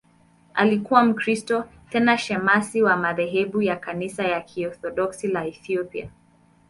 Alikuwa Mkristo, tena shemasi wa madhehebu ya Kanisa la Kiorthodoksi la Ethiopia.